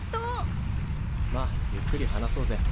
まあゆっくり話そうぜ。